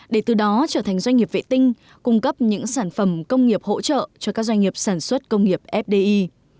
để từ đó trở thành doanh nghiệp vệ tinh cung cấp những sản phẩm công nghiệp hỗ trợ cho các doanh nghiệp sản xuất công nghiệp fdi